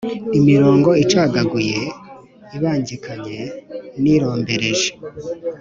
imirongo icagaguye ibangikanye n’irombereje